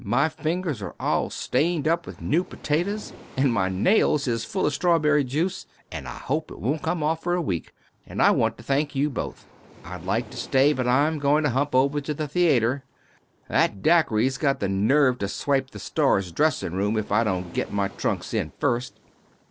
My fingers are all stained up with new potatoes, and my nails is full of strawberry juice, and I hope it won't come off for a week. And I want to thank you both. I'd like to stay, but I'm going to hump over to the theater. That Dacre's got the nerve to swipe the star's dressing room if I don't get my trunks in first."